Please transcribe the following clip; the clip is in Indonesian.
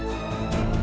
cukup ya al